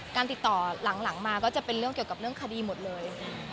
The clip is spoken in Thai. ติดต่อหลังมาก็จะเป็นเรื่องเกี่ยวกับเรื่องคดีหมดเลย